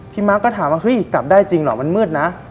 มาร์คก็ถามว่าเฮ้ยกลับได้จริงเหรอมันมืดนะ